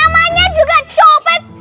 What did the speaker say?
namanya juga copet